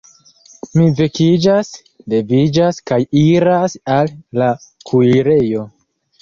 Mi vekiĝas, leviĝas, kaj iras al la kuirejo.